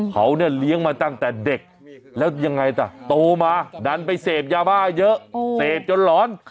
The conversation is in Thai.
เขาเนี่ยเลี้ยงมาตั้งแต่เด็กแล้วยังไงล่ะโตมาดันไปเสพยาบ้าเยอะเสพจนหลอน